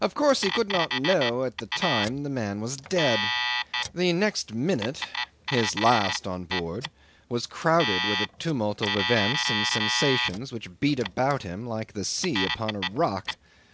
'Of course he could not know at the time the man was dead. The next minute his last on board was crowded with a tumult of events and sensations which beat about him like the sea upon a rock.